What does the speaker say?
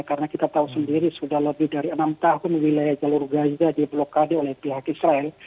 karena kita tahu sendiri sudah lebih dari enam tahun wilayah jalur gaza di blokade oleh pihak israel